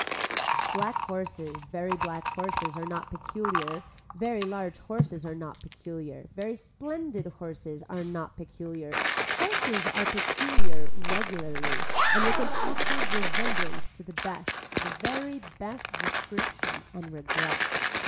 Black horses, very black horses are not peculiar, very large horses are not peculiar, very splendid horses are not peculiar, horses are peculiar regularly and with an awake resemblance to the best the very best description and regret.